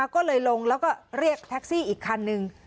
ก็เลยลงแล้วก็เรียกแท็กซี่อีกคันนึง